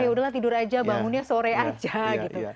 ya udahlah tidur aja bangunnya sore aja gitu